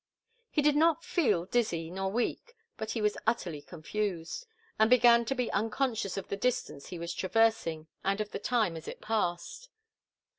He did not feel dizzy nor weak, but he was utterly confused, and began to be unconscious of the distance he was traversing and of the time as it passed.